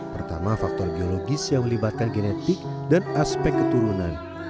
pertama faktor geologis yang melibatkan genetik dan aspek keturunan